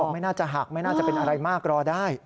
ไม่น่าจะหักไม่น่าจะเป็นอะไรมากรอได้